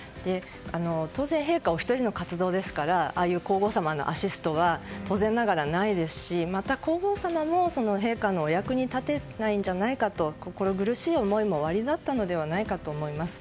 当然、陛下お一人の活動なので皇后さまのアシストが当然ながらないですしまた皇后さまも、陛下のお役に立てないんじゃないかと心苦しい思いもおありになったのではないかと思います。